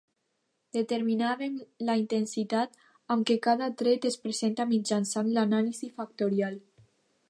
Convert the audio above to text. Determinàvem la intensitat amb què cada tret es presenta mitjançant l'anàlisi factorial.